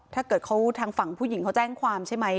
ถ้าเกิดเขาทางฝั่งผู้หญิงเขาแจ้งความใช่ไหม